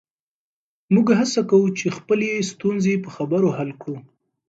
موږ هڅه کوو چې خپلې ستونزې په خبرو حل کړو.